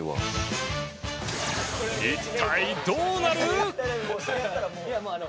一体どうなる？